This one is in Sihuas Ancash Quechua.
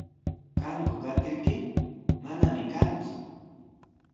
¿Kanku katriyki? Manami kanku.